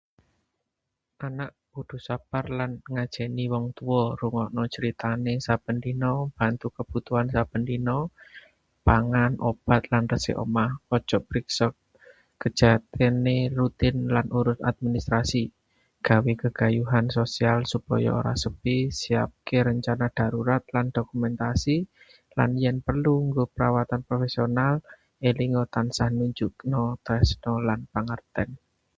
Anak kudu sabar lan ngajeni wong tuwa, rungokna critane saben dina, bantu kebutuhan saben dina, pangan, obat, lan resik omah. ajak priksa kesehatan rutin lan urus administrasi, gawe gegayuhan sosial supaya ora sepi, siapake rencana darurat lan dokumentasi, lan yen perlu enggo perawatan profesional. Elinga tansah nunjukna tresna lan pangerten.